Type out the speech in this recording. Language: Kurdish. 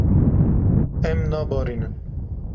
Em nabarînin.